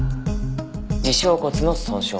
耳小骨の損傷。